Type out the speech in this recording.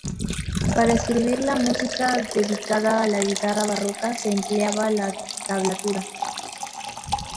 Para escribir la música dedicada a la guitarra barroca se empleaba la tablatura.